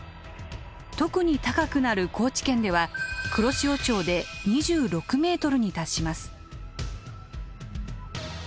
特に高くなる高知県では黒潮町で２６ｍに達します。